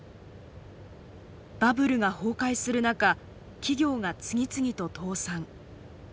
バブルが崩壊する中企業が次々と倒産。